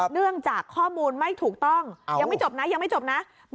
เนื่องจากข้อมูลไม่ถูกต้องยังไม่จบนะยังไม่จบนะ